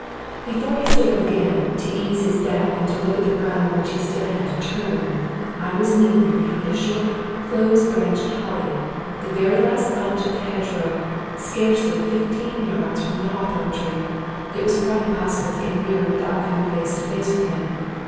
Before he stood up again, to ease his back and to look at the ground which he still had to turn, I was kneeling behind a short, close branched holly, the very last bush of the hedge row, scarcely fifteen yards from the hawthorn tree. It was quite impossible to get nearer without coming face to face with him.